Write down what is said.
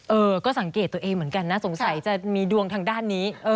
เออก็สังเกตตัวเองเหมือนกันนะสงสัยจะมีดวงทางด้านนี้